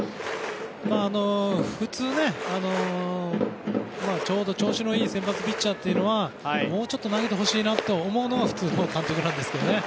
普通、調子のいい先発ピッチャーにはもうちょっと投げてほしいと思うのが普通の監督なんですけどね。